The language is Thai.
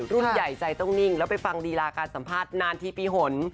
รุ่นใหญ่ใจต้องนิ่งแล้วไปฟังรีลาการสัมภาษณ์นานทีปีหน